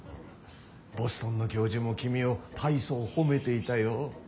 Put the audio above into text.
ボストンの教授も君を大層褒めていたよ。